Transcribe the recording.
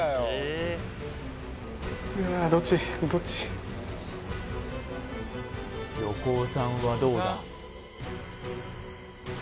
うわあ横尾さんはどうだ？